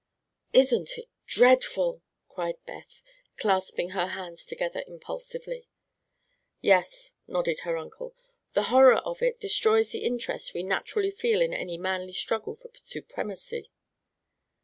"Isn't it dreadful!" cried Beth, clasping her hands together impulsively. "Yes," nodded her uncle, "the horror of it destroys the interest we naturally feel in any manly struggle for supremacy."